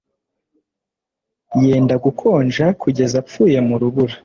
Yenda gukonja kugeza apfuye mu rubura